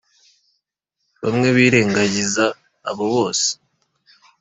bamwe birengagiza abo bose